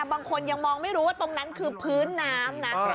บางคนยังมองไม่รู้ว่าตรงนั้นคือพื้นน้ำนะ